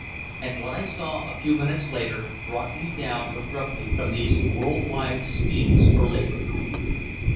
And what I saw a few minutes later brought me down abruptly from these world wide schemes for labor.